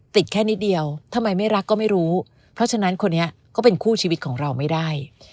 ติดแค่นิดเดียวทำไมไม่รักก็ไม่รู้เพราะฉะนั้นคนนี้ก็เป็นคู่ชีวิตของเราไม่ได้